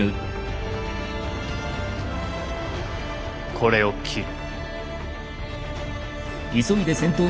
これを斬る。